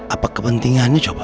apa kepentingannya coba